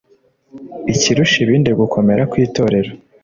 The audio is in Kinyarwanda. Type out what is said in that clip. kirusha ibindi gukomera kwitorero